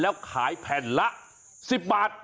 แล้วขายแผ่นละ๑๐บาท